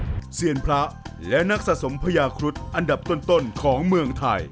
เพื่อสำเพ็งเซียนพระและนักสะสมพญาครุฑอันดับต้นของเมืองไทย